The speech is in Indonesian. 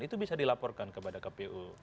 itu bisa dilaporkan kepada kpu